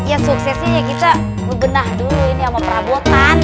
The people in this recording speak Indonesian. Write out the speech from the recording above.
ya suksesinya kita bebenah dulu ini sama perabotan